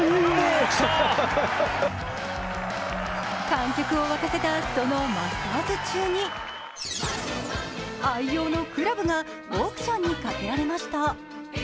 観客を沸かせたそのマスターズ中に愛用のクラブがオークションにかけられました。